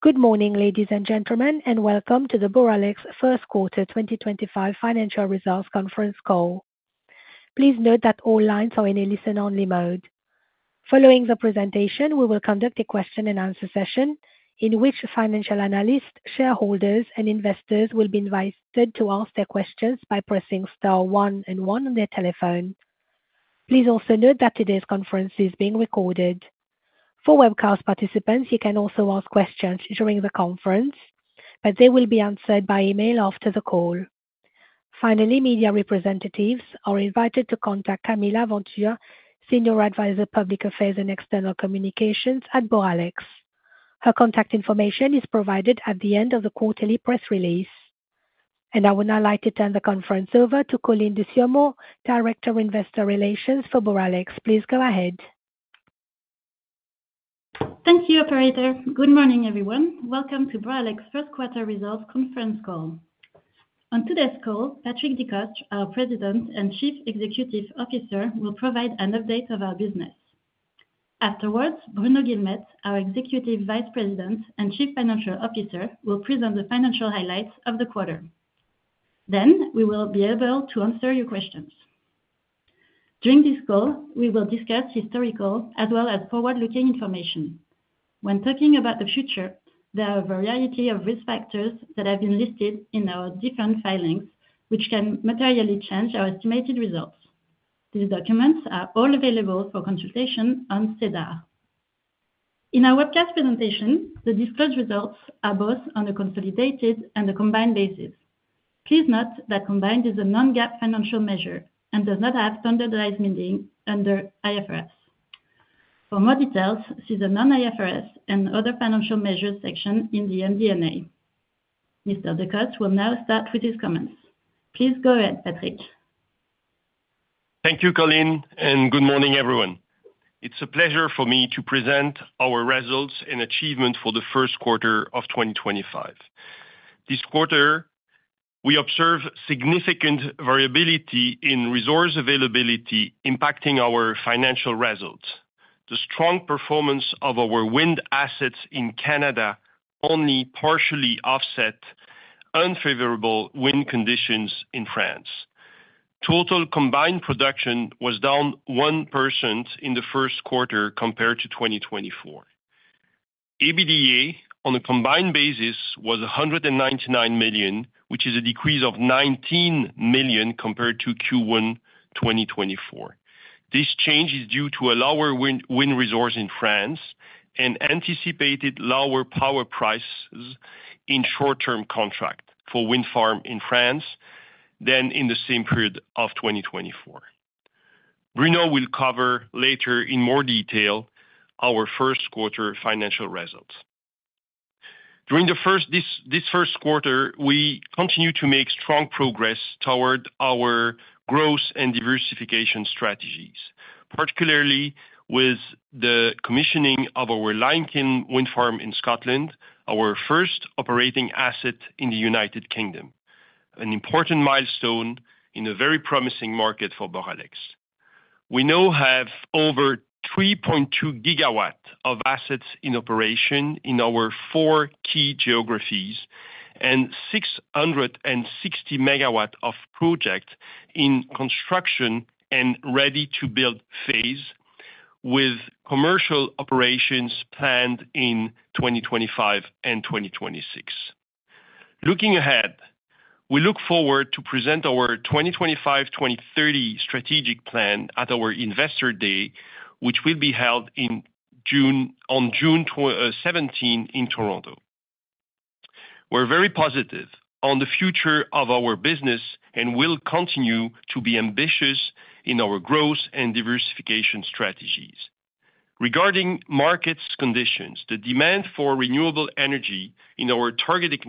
Good morning, ladies and gentlemen, and welcome to the Boralex First Quarter 2025 Financial Results Conference call. Please note that all lines are in a listen-only mode. Following the presentation, we will conduct a question-and-answer session in which financial analysts, shareholders, and investors will be invited to ask their questions by pressing Star 1 and 1 on their telephone. Please also note that today's conference is being recorded. For webcast participants, you can also ask questions during the conference, but they will be answered by email after the call. Finally, media representatives are invited to contact Camila Ventura, Senior Advisor, Public Affairs and External Communications at Boralex. Her contact information is provided at the end of the quarterly press release. I would now like to turn the conference over to Coline Desurmont, Director of Investor Relations for Boralex. Please go ahead. Thank you, Operator. Good morning, everyone. Welcome to Boralex First Quarter Results Conference call. On today's call, Patrick Decostre, our President and Chief Executive Officer, will provide an update of our business. Afterwards, Bruno Guilmette, our Executive Vice President and Chief Financial Officer, will present the financial highlights of the quarter. Then we will be able to answer your questions. During this call, we will discuss historical as well as forward-looking information. When talking about the future, there are a variety of risk factors that have been listed in our different filings, which can materially change our estimated results. These documents are all available for consultation on SEDAR. In our webcast presentation, the disclosed results are both on a consolidated and a combined basis. Please note that combined is a non-GAAP financial measure and does not have standardized meaning under IFRS. For more details, see the non-IFRS and other financial measures section in the MD&A. Mr. Decostre will now start with his comments. Please go ahead, Patrick. Thank you, Coline, and good morning, everyone. It's a pleasure for me to present our results and achievements for the first quarter of 2025. This quarter, we observed significant variability in resource availability impacting our financial results. The strong performance of our wind assets in Canada only partially offset unfavorable wind conditions in France. Total combined production was down 1 percent in the first quarter compared to 2024. EBITDA on a combined basis was $199 million, which is a decrease of $19 million compared to Q1 2024. This change is due to lower wind resources in France and anticipated lower power prices in short-term contracts for wind farms in France than in the same period of 2024. Bruno will cover later in more detail our first quarter financial results. During this first quarter, we continue to make strong progress toward our growth and diversification strategies, particularly with the commissioning of our Lion King wind farm in Scotland, our first operating asset in the United Kingdom, an important milestone in a very promising market for Boralex. We now have over 3.2 gigawatts of assets in operation in our four key geographies and 660 megawatts of projects in construction and ready-to-build phase, with commercial operations planned in 2025 and 2026. Looking ahead, we look forward to presenting our 2025-2030 strategic plan at our investor day, which will be held on June 17 in Toronto. We're very positive on the future of our business and will continue to be ambitious in our growth and diversification strategies. Regarding market conditions, the demand for renewable energy in our targeted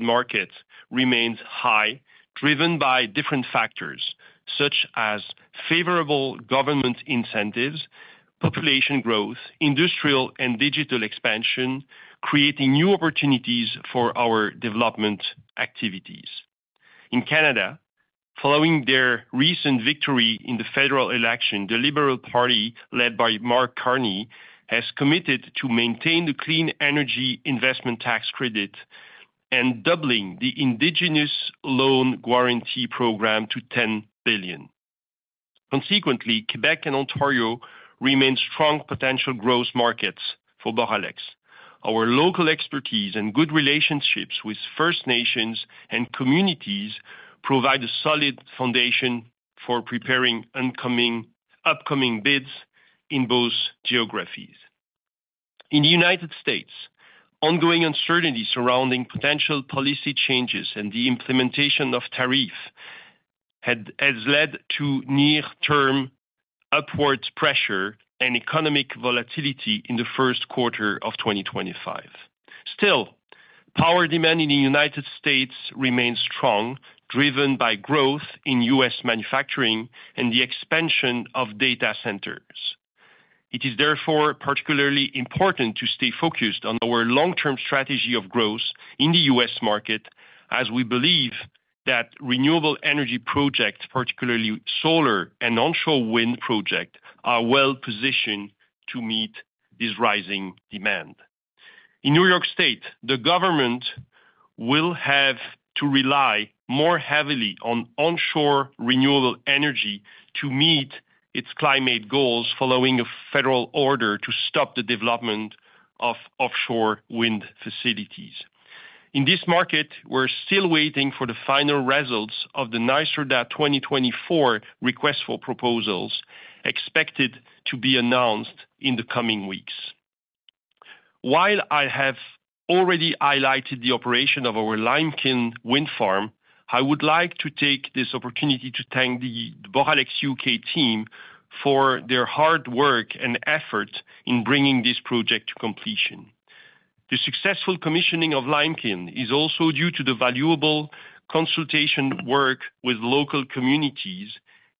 market remains high, driven by different factors such as favorable government incentives, population growth, industrial and digital expansion, creating new opportunities for our development activities. In Canada, following their recent victory in the federal election, the Liberal Party led by Mark Carney has committed to maintain the clean energy investment tax credit and doubling the Indigenous loan guarantee program to $10 billion. Consequently, Quebec and Ontario remain strong potential growth markets for Boralex. Our local expertise and good relationships with First Nations and communities provide a solid foundation for preparing upcoming bids in both geographies. In the United States, ongoing uncertainty surrounding potential policy changes and the implementation of tariffs has led to near-term upward pressure and economic volatility in the first quarter of 2025. Still, power demand in the United States remains strong, driven by growth in U.S. manufacturing and the expansion of data centers. It is therefore particularly important to stay focused on our long-term strategy of growth in the U.S. market, as we believe that renewable energy projects, particularly solar and onshore wind projects, are well positioned to meet this rising demand. In New York State, the government will have to rely more heavily on onshore renewable energy to meet its climate goals following a federal order to stop the development of offshore wind facilities. In this market, we're still waiting for the final results of the NYSERDA 2024 request for proposals, expected to be announced in the coming weeks. While I have already highlighted the operation of our Lion King wind farm, I would like to take this opportunity to thank the Boralex UK team for their hard work and effort in bringing this project to completion. The successful commissioning of Lion King is also due to the valuable consultation work with local communities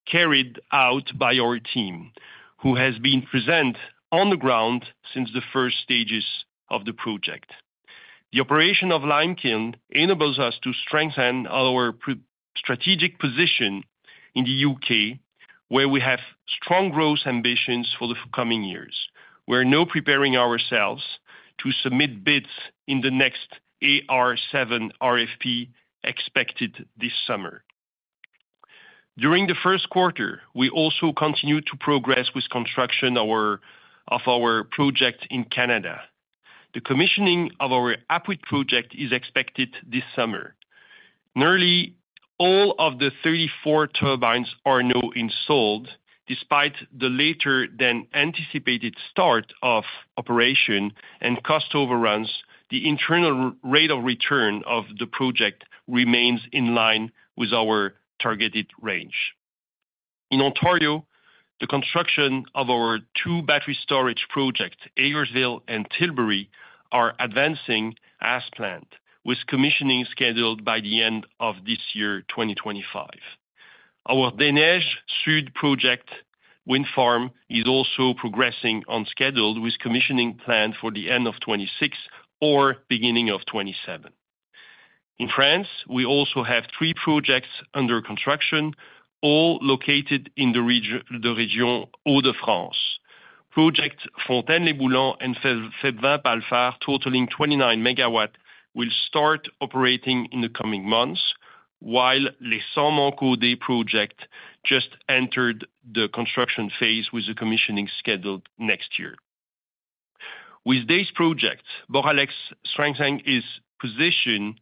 carried out by our team, who have been present on the ground since the first stages of the project. The operation of Lion King enables us to strengthen our strategic position in the U.K., where we have strong growth ambitions for the coming years. We're now preparing ourselves to submit bids in the next AR7 RFP expected this summer. During the first quarter, we also continue to progress with construction of our project in Canada. The commissioning of our Apuia't Wind Farm project is expected this summer. Nearly all of the 34 turbines are now installed. Despite the later-than-anticipated start of operation and cost overruns, the internal rate of return of the project remains in line with our targeted range. In Ontario, the construction of our two battery storage projects, Ayersville and Tilbury, is advancing as planned, with commissioning scheduled by the end of this year, 2025. Our Daine-Des-Neiges-Sud project wind farm is also progressing on schedule, with commissioning planned for the end of 26 or beginning of 27. In France, we also have three projects under construction, all located in the Hauts-de-France region. Projects Fontaines-lès-Boulans and Fevrin-Palfart, totaling 29 megawatts, will start operating in the coming months, while Les Saints-Maurice-Caudrot project just entered the construction phase with the commissioning scheduled next year. With these projects, Boralex strengthens its position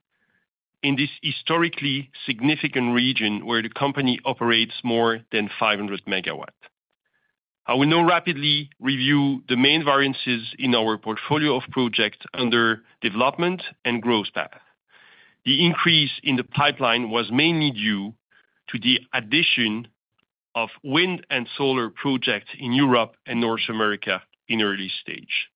in this historically significant region where the company operates more than 500 megawatts. I will now rapidly review the main variances in our portfolio of projects under development and growth path. The increase in the pipeline was mainly due to the addition of wind and solar projects in Europe and North America in early stage.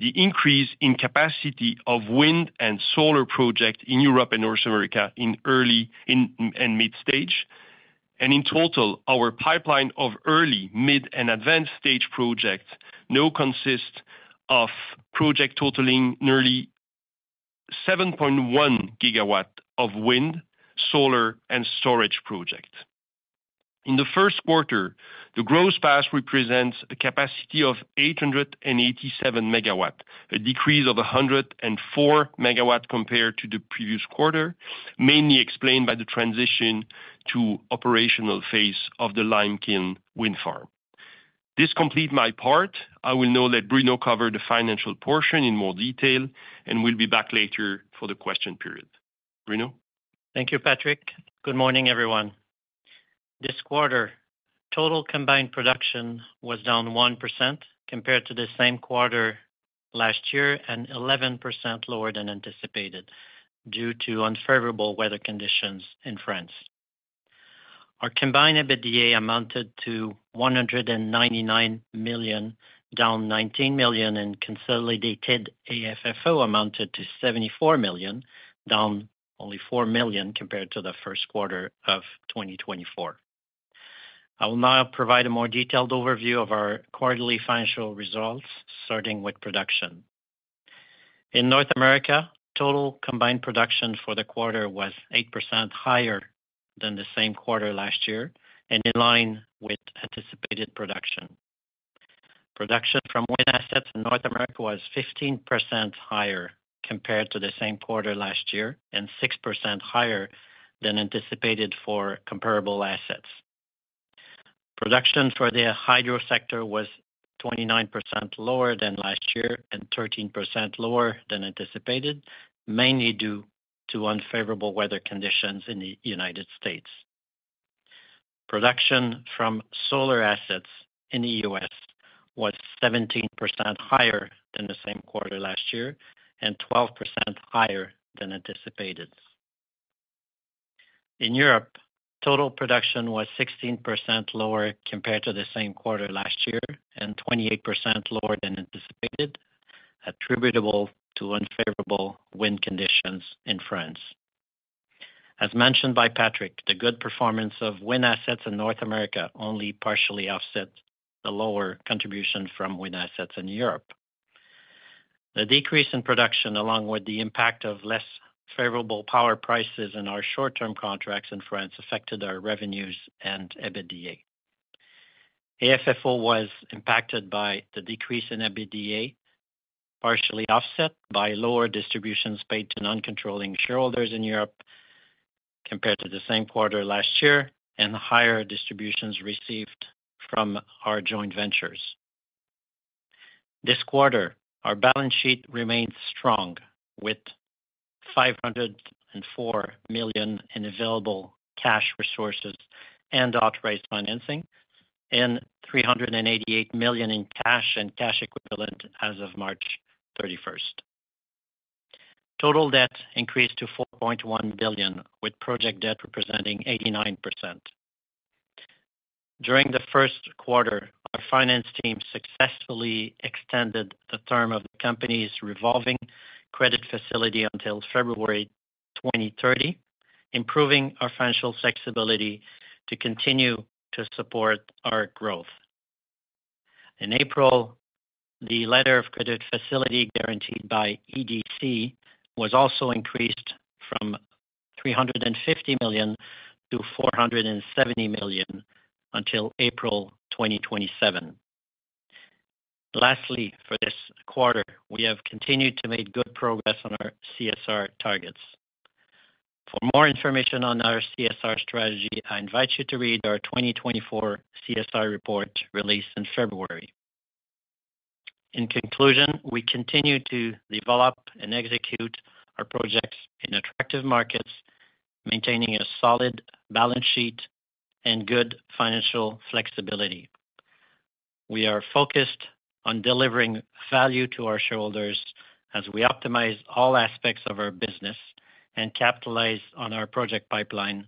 The increase in capacity of wind and solar projects in Europe and North America in early and mid-stage. In total, our pipeline of early, mid, and advanced stage projects now consists of projects totaling nearly 7.1 gigawatts of wind, solar, and storage projects. In the first quarter, the growth path represents a capacity of 887 megawatts, a decrease of 104 megawatts compared to the previous quarter, mainly explained by the transition to the operational phase of the Lion King wind farm. This completes my part. I will now let Bruno cover the financial portion in more detail and will be back later for the question period. Bruno? Thank you, Patrick. Good morning, everyone. This quarter, total combined production was down 1% compared to the same quarter last year and 11% lower than anticipated due to unfavorable weather conditions in France. Our combined EBITDA amounted to $199 million, down $19 million, and consolidated AFFO amounted to $74 million, down only $4 million compared to the first quarter of 2024. I will now provide a more detailed overview of our quarterly financial results, starting with production. In North America, total combined production for the quarter was 8% higher than the same quarter last year and in line with anticipated production. Production from wind assets in North America was 15% higher compared to the same quarter last year and 6% higher than anticipated for comparable assets. Production for the hydro sector was 29% lower than last year and 13% lower than anticipated, mainly due to unfavorable weather conditions in the United States. Production from solar assets in the U.S. was 17% higher than the same quarter last year and 12% higher than anticipated. In Europe, total production was 16% lower compared to the same quarter last year and 28% lower than anticipated, attributable to unfavorable wind conditions in France. As mentioned by Patrick, the good performance of wind assets in North America only partially offsets the lower contribution from wind assets in Europe. The decrease in production, along with the impact of less favorable power prices in our short-term contracts in France, affected our revenues and EBITDA. AFFO was impacted by the decrease in EBITDA, partially offset by lower distributions paid to non-controlling shareholders in Europe compared to the same quarter last year and higher distributions received from our joint ventures. This quarter, our balance sheet remained strong with 504 million in available cash resources and outright financing and 388 million in cash and cash equivalent as of March 31st. Total debt increased to 4.1 billion, with project debt representing 89%. During the first quarter, our finance team successfully extended the term of the company's revolving credit facility until February 2030, improving our financial flexibility to continue to support our growth. In April, the letter of credit facility guaranteed by EDC was also increased from 350 million to 470 million until April 2027. Lastly, for this quarter, we have continued to make good progress on our CSR targets. For more information on our CSR strategy, I invite you to read our 2024 CSR report released in February. In conclusion, we continue to develop and execute our projects in attractive markets, maintaining a solid balance sheet and good financial flexibility. We are focused on delivering value to our shareholders as we optimize all aspects of our business and capitalize on our project pipeline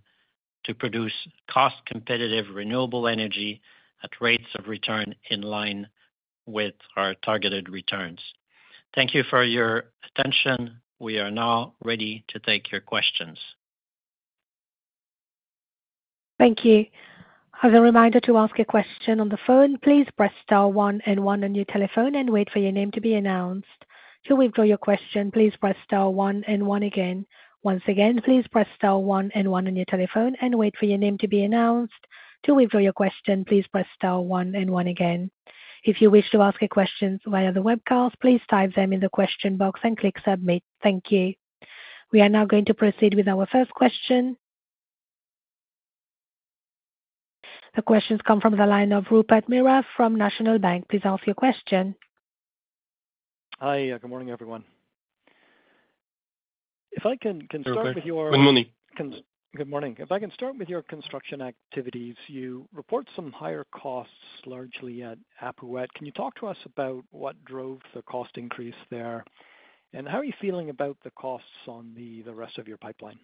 to produce cost-competitive renewable energy at rates of return in line with our targeted returns. Thank you for your attention. We are now ready to take your questions. Thank you. As a reminder to ask a question on the phone, please press star one and one on your telephone and wait for your name to be announced. To withdraw your question, please press star one and one again. Once again, please press star one and one on your telephone and wait for your name to be announced. To withdraw your question, please press star one and one again. If you wish to ask a question via the webcast, please type them in the question box and click submit. Thank you. We are now going to proceed with our first question. The questions come from the line of Rupert Mira from National Bank. Please ask your question. Hi. Good morning, everyone. If I can start with your. Good morning. Good morning. If I can start with your construction activities, you report some higher costs largely at Apuia't. Can you talk to us about what drove the cost increase there? How are you feeling about the costs on the rest of your pipeline?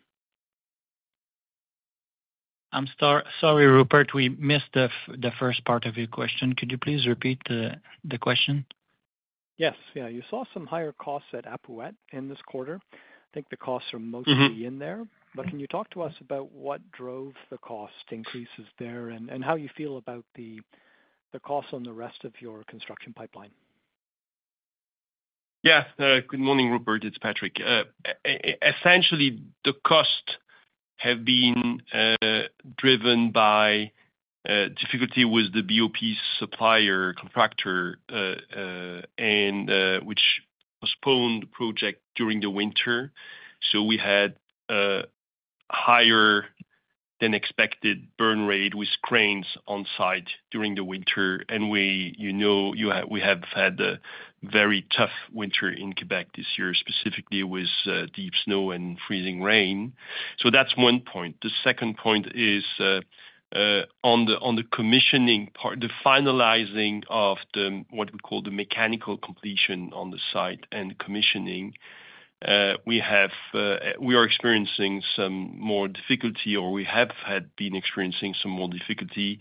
I'm sorry, Rupert. We missed the first part of your question. Could you please repeat the question? Yes. Yeah. You saw some higher costs at Apuia't in this quarter. I think the costs are mostly in there. Can you talk to us about what drove the cost increases there and how you feel about the costs on the rest of your construction pipeline? Yes. Good morning, Rupert. It's Patrick. Essentially, the costs have been driven by difficulty with the BOP supplier contractor, which postponed the project during the winter. We had a higher-than-expected burn rate with cranes on site during the winter. We have had a very tough winter in Quebec this year, specifically with deep snow and freezing rain. That is one point. The second point is on the commissioning part, the finalizing of what we call the mechanical completion on the site and commissioning. We are experiencing some more difficulty, or we have been experiencing some more difficulty.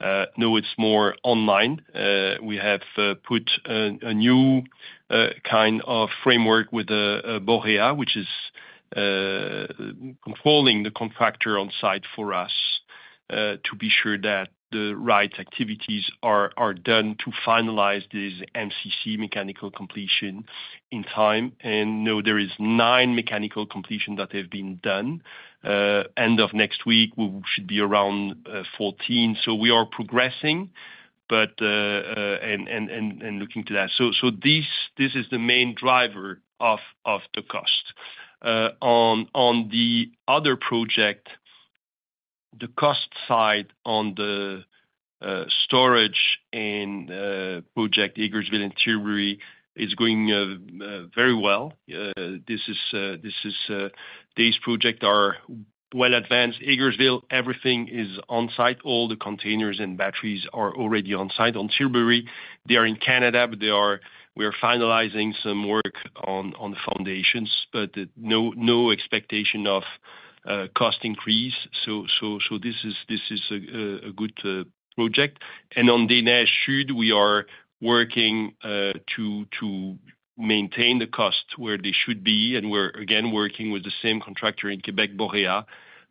Now it is more online. We have put a new kind of framework with Borea, which is controlling the contractor on site for us to be sure that the right activities are done to finalize this MCC mechanical completion in time. Now there are nine mechanical completions that have been done. End of next week, we should be around 14. We are progressing and looking to that. This is the main driver of the cost. On the other project, the cost side on the storage and project Ayersville and Tilbury is going very well. These projects are well advanced. Ayersville, everything is on site. All the containers and batteries are already on site. On Tilbury, they are in Canada, but we are finalizing some work on the foundations, but no expectation of cost increase. This is a good project. On Daine-Des-Neiges-Sud, we are working to maintain the cost where they should be. We are, again, working with the same contractor in Quebec, Borea,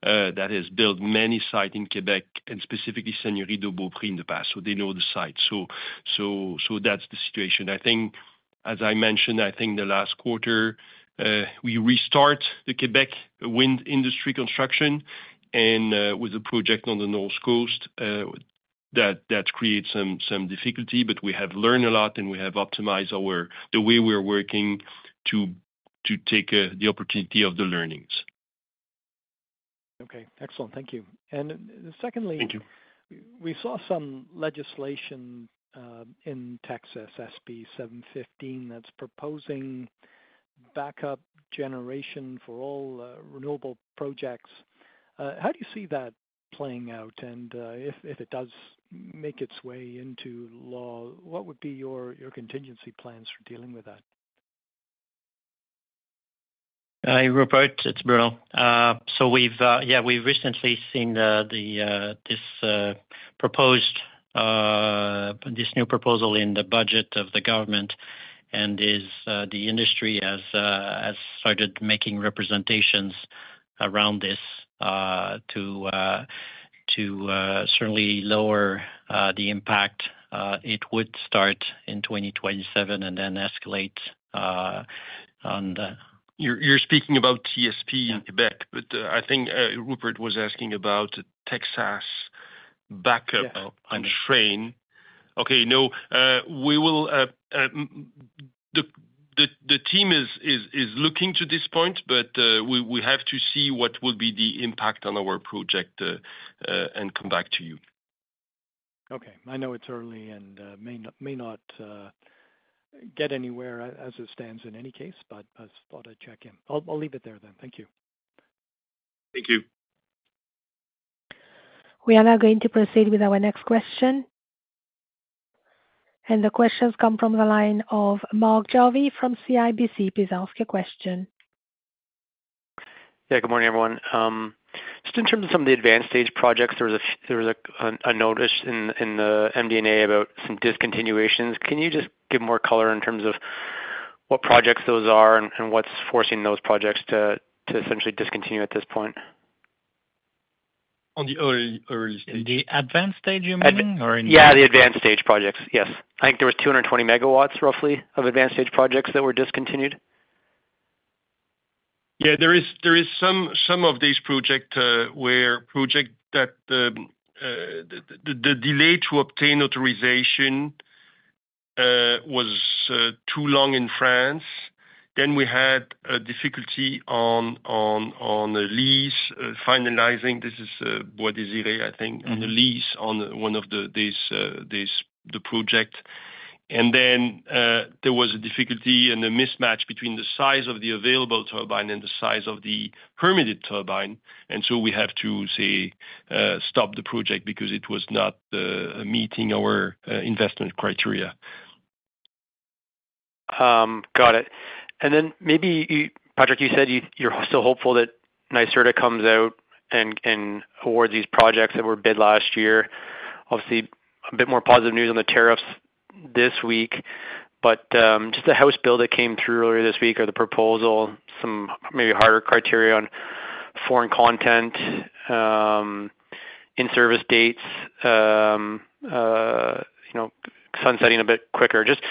that has built many sites in Quebec and specifically Seigneurie de Beaupré in the past. They know the site. That's the situation. I think, as I mentioned, I think the last quarter, we restart the Quebec wind industry construction with a project on the North Coast that creates some difficulty. We have learned a lot, and we have optimized the way we're working to take the opportunity of the learnings. Okay. Excellent. Thank you. Secondly. Thank you. We saw some legislation in Texas, SB 715, that's proposing backup generation for all renewable projects. How do you see that playing out? If it does make its way into law, what would be your contingency plans for dealing with that? Hi, Rupert. It's Bruno. Yeah, we've recently seen this new proposal in the budget of the government. The industry has started making representations around this to certainly lower the impact. It would start in 2027 and then escalate on the. You're speaking about TSP in Quebec, but I think Rupert was asking about Texas backup on shrine. Okay. No, the team is looking to this point, but we have to see what will be the impact on our project and come back to you. Okay. I know it's early and may not get anywhere as it stands in any case, but I just thought I'd check in. I'll leave it there then. Thank you. Thank you. We are now going to proceed with our next question. The questions come from the line of Mark Jarvey from CIBC. Please ask your question. Yeah. Good morning, everyone. Just in terms of some of the advanced stage projects, there was a notice in the MD&A about some discontinuations. Can you just give more color in terms of what projects those are and what's forcing those projects to essentially discontinue at this point? On the early stage. In the advanced stage, you mean? Yeah, the advanced stage projects. Yes. I think there was 220 megawatts, roughly, of advanced stage projects that were discontinued. Yeah. There is some of these projects where the delay to obtain authorization was too long in France. There was difficulty on lease finalizing. This is Bois Désiré, I think, on the lease on one of the projects. There was a difficulty and a mismatch between the size of the available turbine and the size of the permitted turbine. We have to, say, stop the project because it was not meeting our investment criteria. Got it. Maybe, Patrick, you said you're still hopeful that NYSERDA comes out and awards these projects that were bid last year. Obviously, a bit more positive news on the tariffs this week. Just the House bill that came through earlier this week or the proposal, some maybe harder criteria on foreign content, in-service dates, sunsetting a bit quicker. Just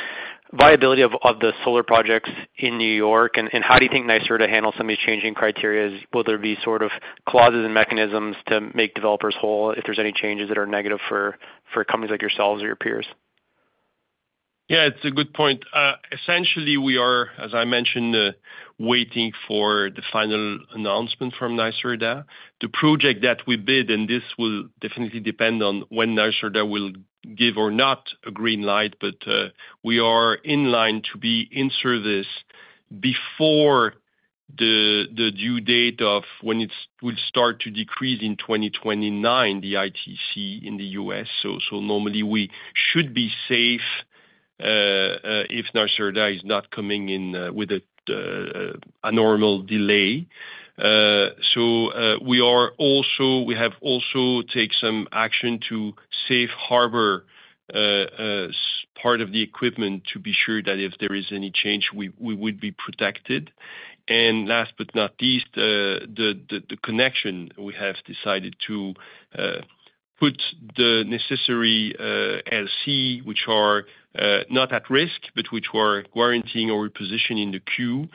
viability of the solar projects in New York. How do you think NYSERDA handles some of these changing criteria? Will there be sort of clauses and mechanisms to make developers whole if there's any changes that are negative for companies like yourselves or your peers? Yeah. It's a good point. Essentially, we are, as I mentioned, waiting for the final announcement from NYSERDA. The project that we bid, and this will definitely depend on when NYSERDA will give or not a green light, but we are in line to be in-service before the due date of when it will start to decrease in 2029, the ITC in the U.S. Normally, we should be safe if NYSERDA is not coming in with a normal delay. We have also taken some action to safe harbor part of the equipment to be sure that if there is any change, we would be protected. Last but not least, the connection, we have decided to put the necessary LC, which are not at risk, but which are warranting our positioning in the queue.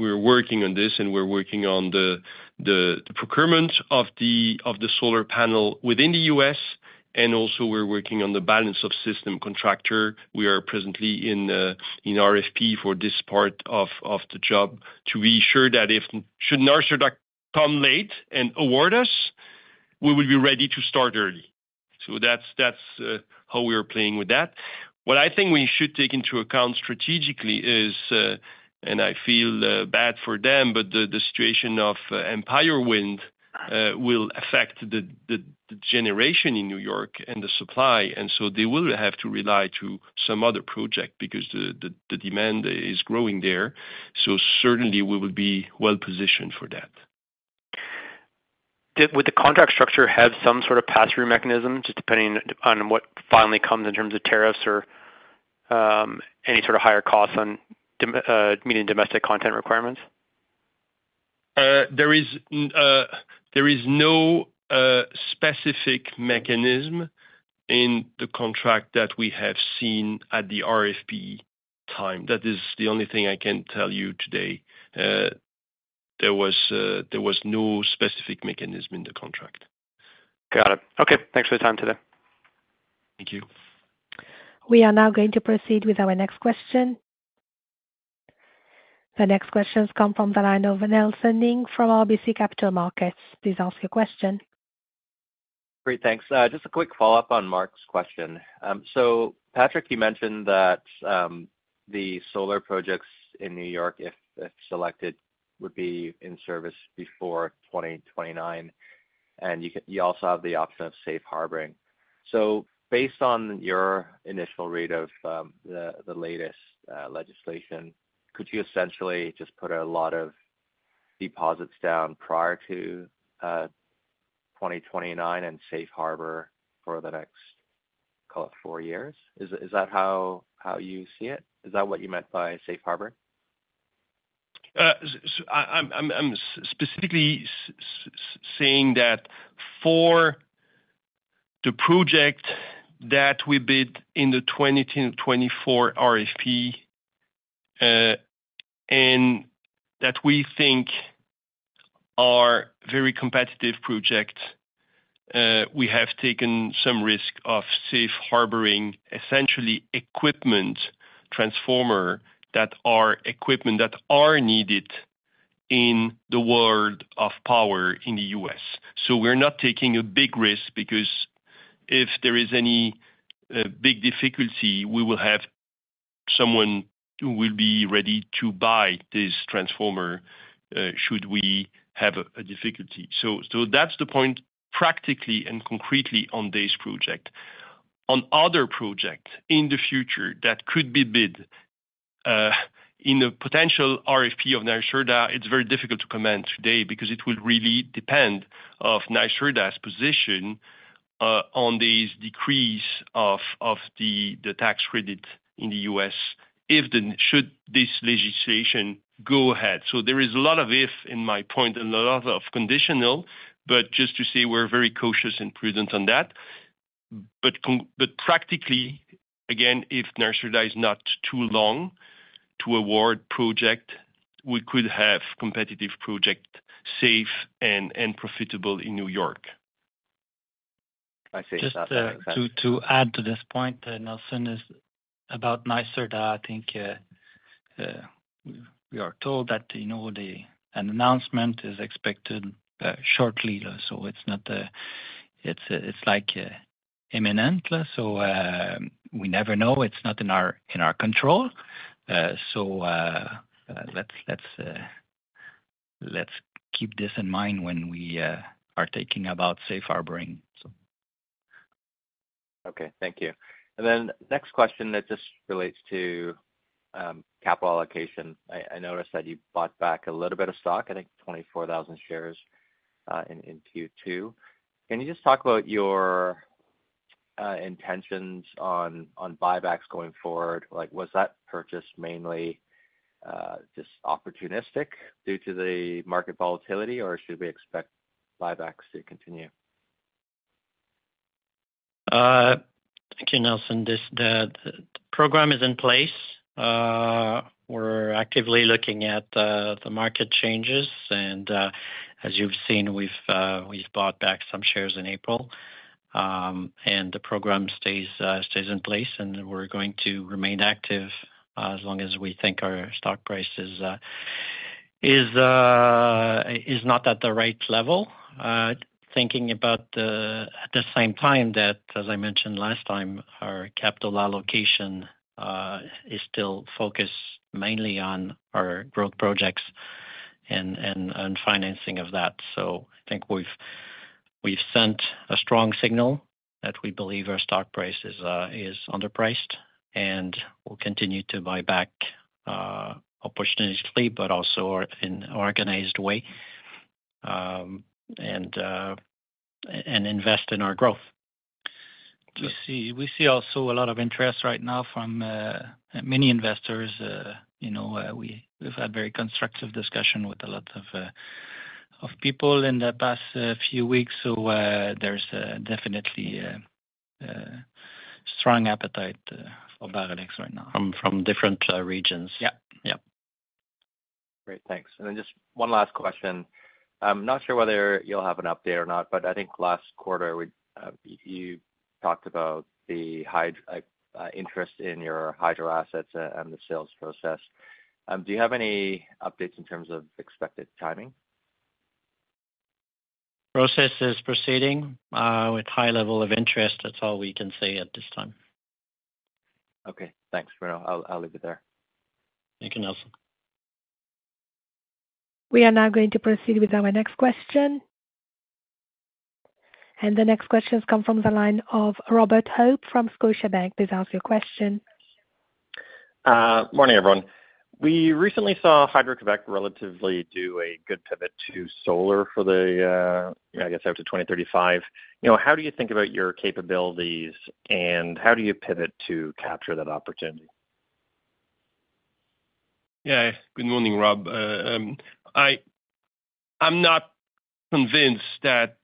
We're working on this, and we're working on the procurement of the solar panel within the U.S. And also, we're working on the balance of system contractor. We are presently in RFP for this part of the job to be sure that if NYSERDA comes late and awards us, we will be ready to start early. That's how we are playing with that. What I think we should take into account strategically is, and I feel bad for them, but the situation of Empire Wind will affect the generation in New York and the supply. They will have to rely on some other project because the demand is growing there. Certainly, we will be well-positioned for that. Would the contract structure have some sort of pass-through mechanism, just depending on what finally comes in terms of tariffs or any sort of higher costs on meeting domestic content requirements? There is no specific mechanism in the contract that we have seen at the RFP time. That is the only thing I can tell you today. There was no specific mechanism in the contract. Got it. Okay. Thanks for your time today. Thank you. We are now going to proceed with our next question. The next questions come from the line of Nelson Ng from RBC Capital Markets. Please ask your question. Great. Thanks. Just a quick follow-up on Mark's question. Patrick, you mentioned that the solar projects in New York, if selected, would be in-service before 2029. You also have the option of safe harboring. Based on your initial read of the latest legislation, could you essentially just put a lot of deposits down prior to 2029 and safe harbor for the next, call it, four years? Is that how you see it? Is that what you meant by safe harbor? I'm specifically saying that for the project that we bid in the 2024 RFP and that we think are very competitive projects, we have taken some risk of safe harboring, essentially equipment transformers that are equipment that are needed in the world of power in the U.S. We are not taking a big risk because if there is any big difficulty, we will have someone who will be ready to buy this transformer should we have a difficulty. That is the point practically and concretely on this project. On other projects in the future that could be bid in the potential RFP of NYSERDA, it is very difficult to comment today because it will really depend on NYSERDA's position on this decrease of the tax credit in the U.S. should this legislation go ahead. There is a lot of if in my point and a lot of conditional, but just to say we're very cautious and prudent on that. Practically, again, if NYSERDA is not too long to award projects, we could have competitive projects safe and profitable in New York. I see. Just to add to this point, Nelson, about NYSERDA, I think we are told that an announcement is expected shortly. It is like imminent. We never know. It is not in our control. Let us keep this in mind when we are talking about safe harboring. Okay. Thank you. Next question that just relates to capital allocation. I noticed that you bought back a little bit of stock, I think 24,000 shares in Q2. Can you just talk about your intentions on buybacks going forward? Was that purchase mainly just opportunistic due to the market volatility, or should we expect buybacks to continue? Okay, Nelson. The program is in place. We're actively looking at the market changes. As you've seen, we've bought back some shares in April. The program stays in place. We're going to remain active as long as we think our stock price is not at the right level. Thinking about at the same time that, as I mentioned last time, our capital allocation is still focused mainly on our growth projects and financing of that. I think we've sent a strong signal that we believe our stock price is underpriced and will continue to buy back opportunistically, but also in an organized way, and invest in our growth. We see also a lot of interest right now from many investors. We've had very constructive discussions with a lot of people in the past few weeks. There's definitely a strong appetite for Boralex right now. From different regions. Yeah. Yeah. Great. Thanks. Just one last question. I'm not sure whether you'll have an update or not, but I think last quarter, you talked about the interest in your hydro assets and the sales process. Do you have any updates in terms of expected timing? Process is proceeding with high level of interest. That's all we can say at this time. Okay. Thanks, Bruno. I'll leave it there. Thank you, Nelson. We are now going to proceed with our next question. The next questions come from the line of Robert Hope from Scotiabank. Please ask your question. Morning, everyone. We recently saw Hydro-Québec relatively do a good pivot to solar for the, I guess, up to 2035. How do you think about your capabilities, and how do you pivot to capture that opportunity? Yeah. Good morning, Rob. I'm not convinced that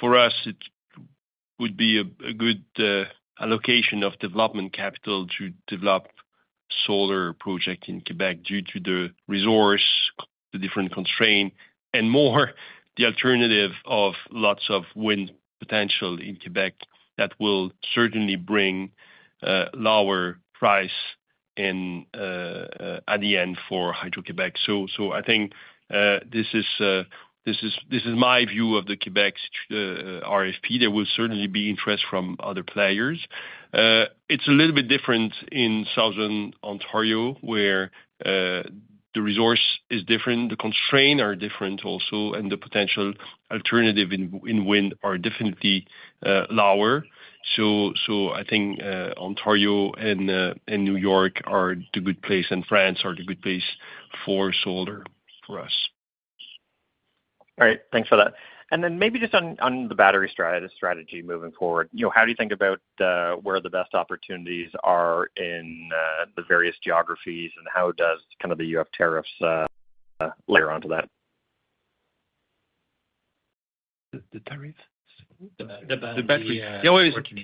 for us, it would be a good allocation of development capital to develop solar projects in Quebec due to the resource, the different constraints, and more, the alternative of lots of wind potential in Quebec that will certainly bring a lower price at the end for Hydro-Québec. I think this is my view of the Quebec RFP. There will certainly be interest from other players. It's a little bit different in Southern Ontario where the resource is different. The constraints are different also, and the potential alternatives in wind are definitely lower. I think Ontario and New York are the good place, and France are the good place for solar for us. All right. Thanks for that. Maybe just on the battery strategy moving forward, how do you think about where the best opportunities are in the various geographies, and how does kind of the U.S. tariffs layer onto that? The battery. Yeah,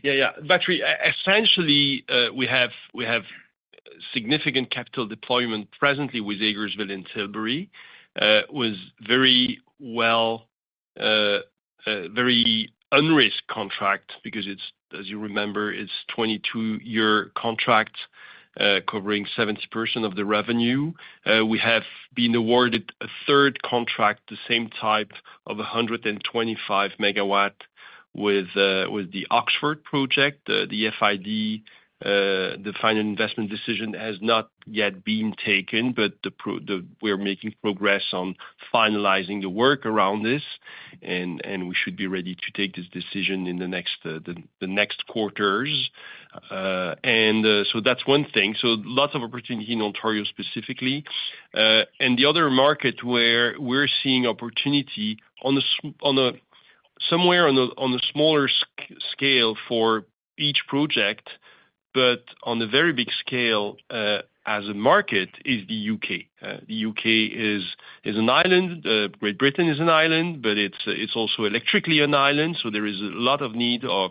yeah. Battery. Essentially, we have significant capital deployment presently with Ayersville and Tilbury. It was a very unrisk contract because, as you remember, it's a 22-year contract covering 70% of the revenue. We have been awarded a third contract, the same type of 125 megawatts with the Oxford project. The FID, the final investment decision, has not yet been taken, but we're making progress on finalizing the work around this, and we should be ready to take this decision in the next quarters. That's one thing. Lots of opportunity in Ontario specifically. The other market where we're seeing opportunity somewhere on a smaller scale for each project, but on a very big scale as a market, is the U.K. The U.K. is an island. Great Britain is an island, but it's also electrically an island. There is a lot of need of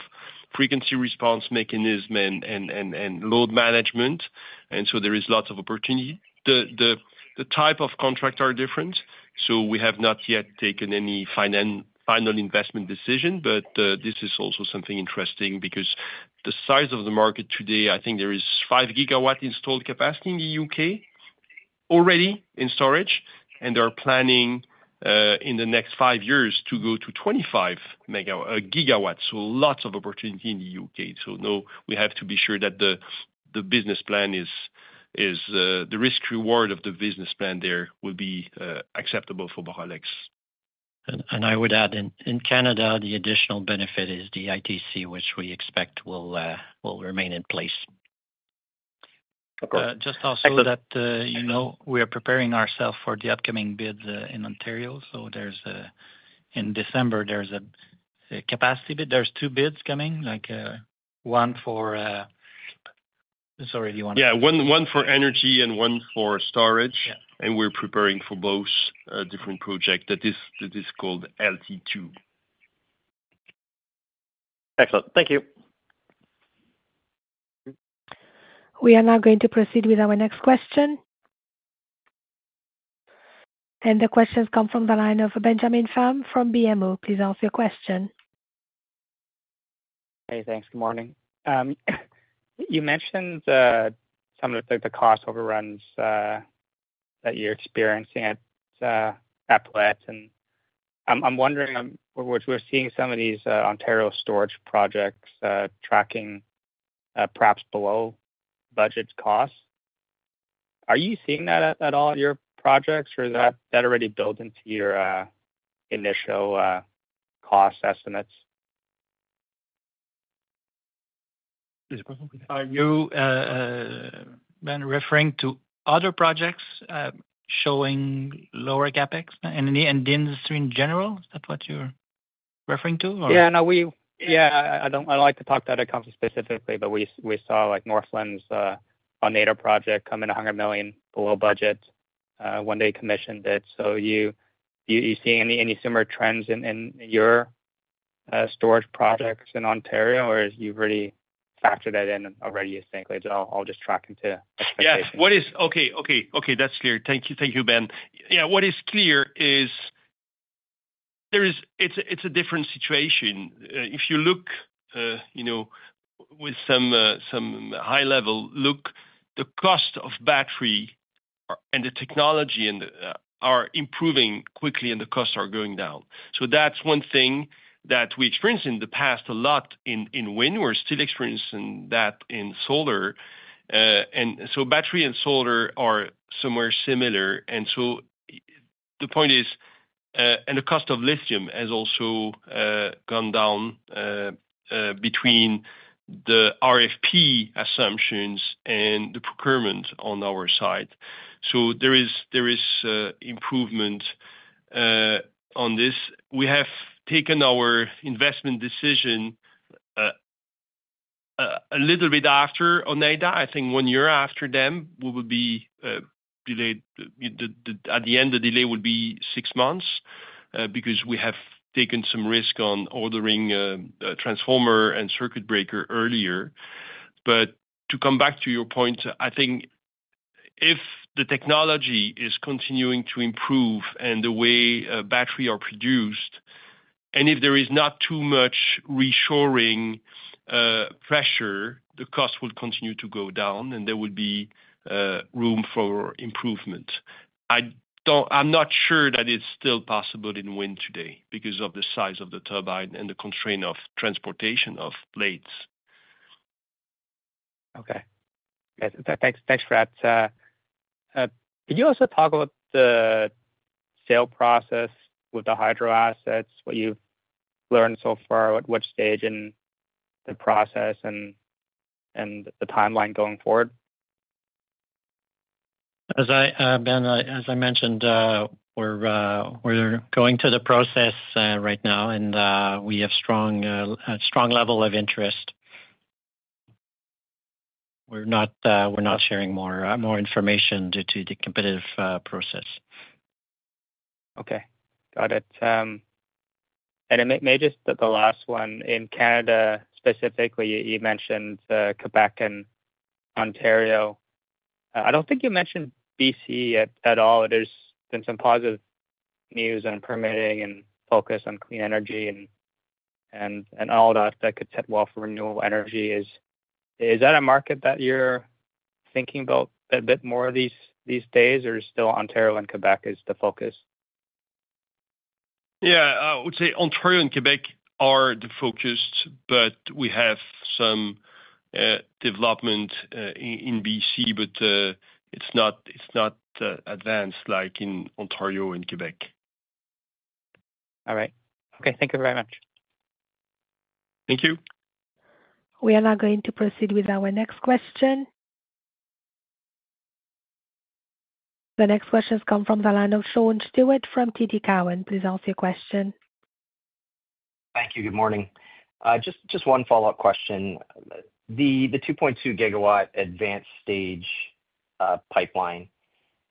frequency response mechanism and load management. There is lots of opportunity. The type of contracts are different. We have not yet taken any final investment decision, but this is also something interesting because the size of the market today, I think there is 5 gigawatts installed capacity in the U.K. already in storage, and they are planning in the next five years to go to 25 gigawatts. Lots of opportunity in the U.K. We have to be sure that the business plan, the risk-reward of the business plan there will be acceptable for Boralex. I would add, in Canada, the additional benefit is the ITC, which we expect will remain in place. Just also that we are preparing ourselves for the upcoming bid in Ontario. In December, there's a capacity bid. There's two bids coming, like one for—sorry, do you want to? Yeah. One for energy and one for storage. We are preparing for both different projects. That is called LT2. Excellent. Thank you. We are now going to proceed with our next question. The questions come from the line of Benjamin Fam from BMO. Please ask your question. Hey, thanks. Good morning. You mentioned some of the cost overruns that you're experiencing at Apuia't. And I'm wondering, we're seeing some of these Ontario storage projects tracking perhaps below budget costs. Are you seeing that at all in your projects, or is that already built into your initial cost estimates? Are you referring to other projects showing lower CapEx and the industry in general? Is that what you're referring to, or? Yeah. No, yeah. I don't like to talk to other companies specifically, but we saw Northland's Ontario project come in $100 million below budget when they commissioned it. So you see any similar trends in your storage projects in Ontario, or you've already factored that in already, you think? I'll just track into expectations. Yeah. Okay. Okay. Okay. That's clear. Thank you, Ben. Yeah. What is clear is it's a different situation. If you look with some high-level look, the cost of battery and the technology are improving quickly, and the costs are going down. That's one thing that we experienced in the past a lot in wind. We're still experiencing that in solar. Battery and solar are somewhere similar. The point is, and the cost of lithium has also gone down between the RFP assumptions and the procurement on our side. There is improvement on this. We have taken our investment decision a little bit after Onata. I think one year after them, we will be delayed. At the end, the delay will be six months because we have taken some risk on ordering a transformer and circuit breaker earlier. To come back to your point, I think if the technology is continuing to improve and the way batteries are produced, and if there is not too much reshoring pressure, the cost will continue to go down, and there will be room for improvement. I'm not sure that it's still possible in wind today because of the size of the turbine and the constraint of transportation of blades. Okay. Thanks for that. Could you also talk about the sale process with the hydro assets, what you've learned so far, at what stage in the process, and the timeline going forward? As I mentioned, we're going through the process right now, and we have a strong level of interest. We're not sharing more information due to the competitive process. Okay. Got it. Maybe just the last one. In Canada specifically, you mentioned Quebec and Ontario. I do not think you mentioned BC at all. There has been some positive news on permitting and focus on clean energy and all that that could set well for renewable energy. Is that a market that you are thinking about a bit more these days, or is it still Ontario and Quebec is the focus? Yeah. I would say Ontario and Quebec are the focus, but we have some development in BC, but it's not advanced like in Ontario and Quebec. All right. Okay. Thank you very much. Thank you. We are now going to proceed with our next question. The next question has come from the line of Sean Stewart from TD Cowen. Please ask your question. Thank you. Good morning. Just one follow-up question. The 2.2 gigawatt advanced stage pipeline,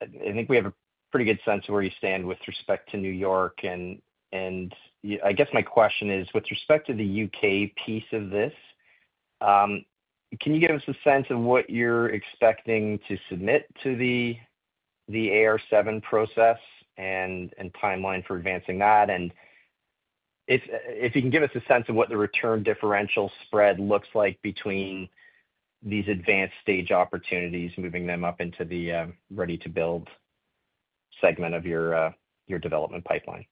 I think we have a pretty good sense of where you stand with respect to New York. I guess my question is, with respect to the U.K. piece of this, can you give us a sense of what you're expecting to submit to the AR7 process and timeline for advancing that? If you can give us a sense of what the return differential spread looks like between these advanced stage opportunities, moving them up into the ready-to-build segment of your development pipeline.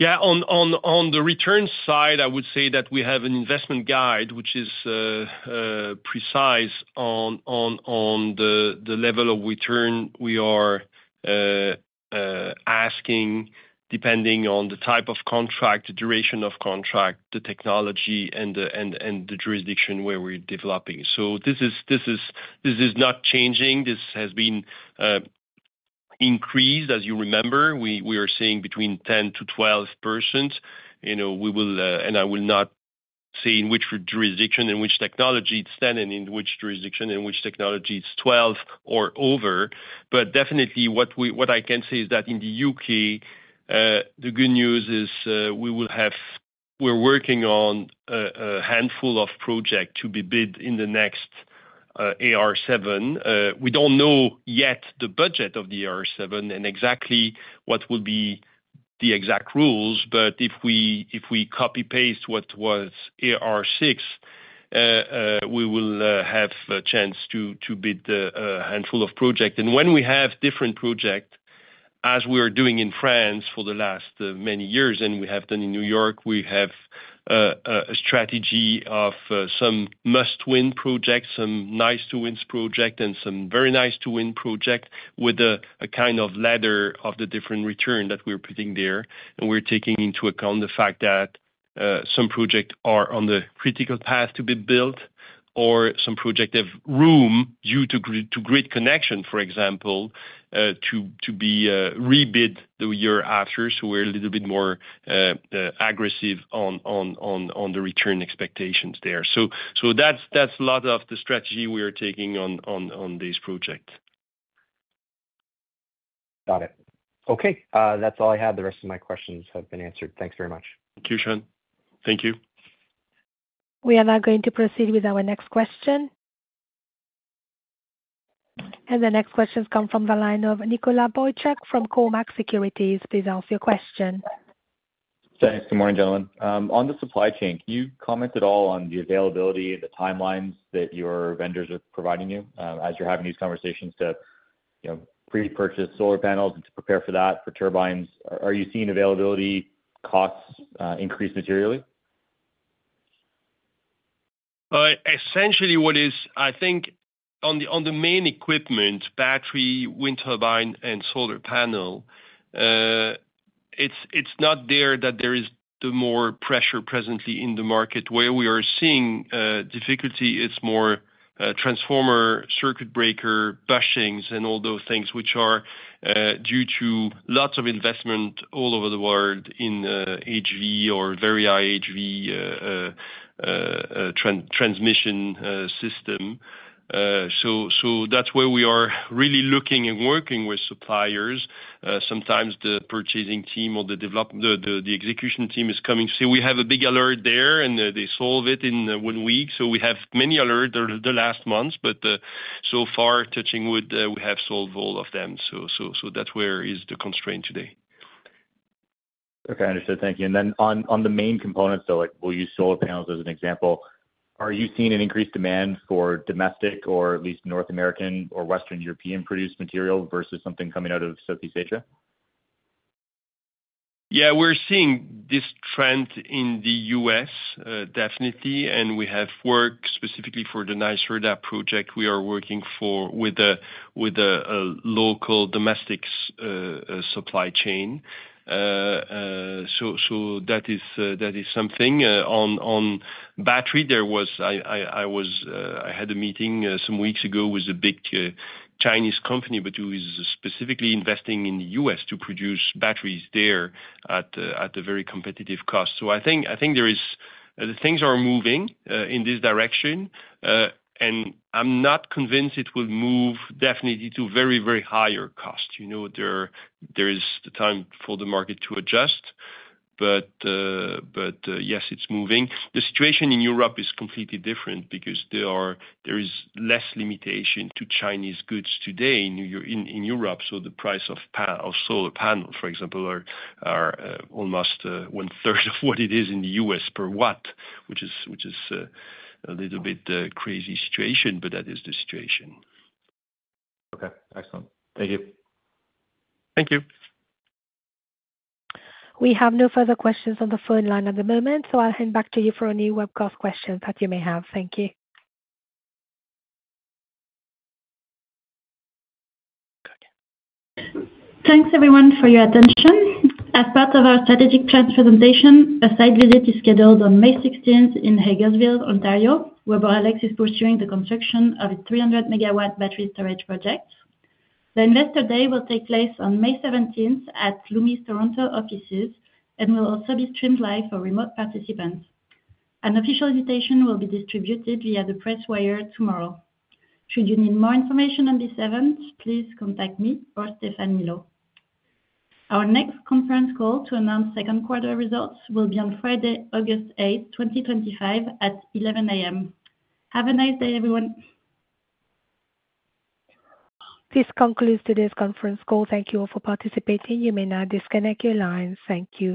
Yeah. On the return side, I would say that we have an investment guide, which is precise on the level of return we are asking, depending on the type of contract, the duration of contract, the technology, and the jurisdiction where we're developing. This is not changing. This has been increased. As you remember, we are seeing between 10-12%. I will not say in which jurisdiction and which technology it's 10%, and in which jurisdiction and which technology it's 12% or over. What I can say is that in the U.K., the good news is we will have—we're working on a handful of projects to be bid in the next AR7. We don't know yet the budget of the AR7 and exactly what will be the exact rules, but if we copy-paste what was AR6, we will have a chance to bid a handful of projects. When we have different projects, as we are doing in France for the last many years, and we have done in New York, we have a strategy of some must-win projects, some nice-to-win projects, and some very nice-to-win projects with a kind of ladder of the different return that we're putting there. We're taking into account the fact that some projects are on the critical path to be built, or some projects have room due to grid connection, for example, to be re-bid the year after. We're a little bit more aggressive on the return expectations there. That's a lot of the strategy we are taking on these projects. Got it. Okay. That's all I had. The rest of my questions have been answered. Thanks very much. Thank you, Sean. Thank you. We are now going to proceed with our next question. The next question has come from the line of Nicholas Boycuk from Cormark Securities. Please ask your question. Thanks. Good morning, gentlemen. On the supply chain, can you comment at all on the availability and the timelines that your vendors are providing you as you're having these conversations to pre-purchase solar panels and to prepare for that for turbines? Are you seeing availability costs increase materially? Essentially, what is—I think on the main equipment, battery, wind turbine, and solar panel, it's not there that there is more pressure presently in the market. Where we are seeing difficulty is more transformer, circuit breaker, bushings, and all those things, which are due to lots of investment all over the world in HV or very high HV transmission system. That is where we are really looking and working with suppliers. Sometimes the purchasing team or the execution team is coming to say, "We have a big alert there," and they solve it in one week. We have many alerts the last months, but so far, touching wood, we have solved all of them. That is where is the constraint today. Okay. Understood. Thank you. On the main components, though, we'll use solar panels as an example. Are you seeing an increased demand for domestic or at least North American or Western European-produced material versus something coming out of Southeast Asia? Yeah. We're seeing this trend in the U.S., definitely. And we have worked specifically for the NYSERDA project. We are working with a local domestic supply chain. So that is something. On battery, I had a meeting some weeks ago with a big Chinese company, but who is specifically investing in the U.S. to produce batteries there at a very competitive cost. I think there is—the things are moving in this direction. I'm not convinced it will move definitely to very, very higher cost. There is the time for the market to adjust. Yes, it's moving. The situation in Europe is completely different because there is less limitation to Chinese goods today in Europe. The price of solar panels, for example, are almost one-third of what it is in the U.S. per watt, which is a little bit crazy situation, but that is the situation. Okay. Excellent. Thank you. Thank you. We have no further questions on the phone line at the moment, so I'll hand back to you for any webcast questions that you may have. Thank you. Thanks, everyone, for your attention. As part of our strategic presentation, a site visit is scheduled on May 16th in Hagersville, Ontario, where Boralex is pursuing the construction of its 300-megawatt battery storage project. The Investor Day will take place on May 17th at Lumis Toronto offices and will also be streamed live for remote participants. An official invitation will be distributed via the press wire tomorrow. Should you need more information on this event, please contact me or Stefan Milo. Our next conference call to announce second quarter results will be on Friday, August 8th, 2025, at 11:00 A.M. Have a nice day, everyone. This concludes today's conference call. Thank you all for participating. You may now disconnect your lines. Thank you.